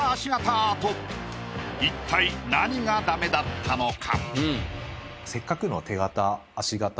アート一体何がダメだったのか？